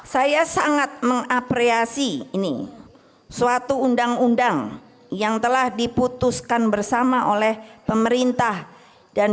saya sangat mengapresiasi ini suatu undang undang yang telah diputuskan bersama oleh pemerintah dan